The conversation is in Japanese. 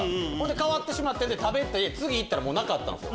変わってしまって次行ったらなかったんすよ。